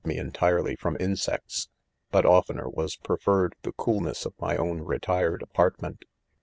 me _entirely from insects^, but 'oftener was preferred the ■eoolness of my own retired apartment.